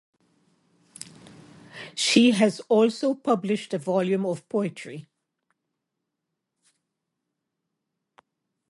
She has also published a volume of poetry.